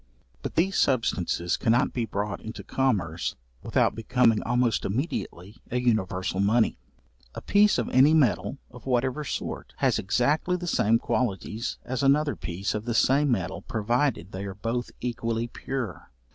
But these substances cannot be brought into commerce without becoming almost immediately a universal money. A piece of any metal, of whatever sort, has exactly the same qualities as another piece of the same metal provided they are both equally pure.